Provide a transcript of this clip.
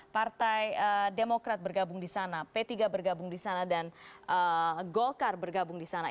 partai demokrat bergabung di sana p tiga bergabung di sana dan golkar bergabung di sana